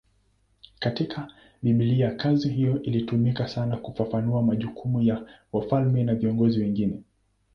Katika Biblia kazi hiyo ilitumika sana kufafanua majukumu ya wafalme na viongozi wengine.